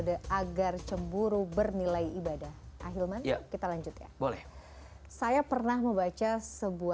daik sudah tau akhir mandi kita harus jeda pupil saja